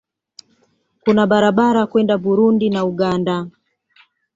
Kuna barabara kwenda Burundi na Uganda.